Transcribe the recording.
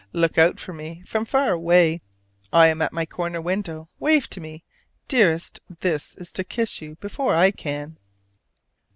Look out for me from far away, I am at my corner window: wave to me! Dearest, this is to kiss you before I can.